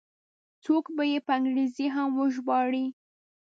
څوک به یې په انګریزي هم وژباړي.